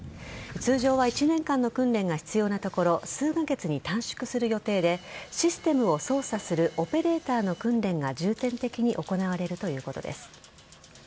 通常は１年間の訓練が必要なところ数カ月に短縮する予定でシステムを操作するオペレーターの訓練が重点的に行われるということです。